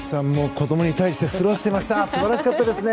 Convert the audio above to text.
子供に対してスルーしていました素晴らしかったですね。